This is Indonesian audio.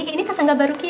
ini tetangga baru kita